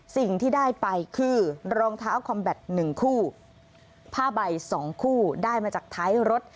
สิ่งที่ได้ไปคือรองเท้าคอมแบตหนึ่งคู่ผ้าใบสองคู่ได้มาจากท้ายรถ